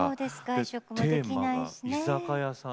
テーマが居酒屋さん。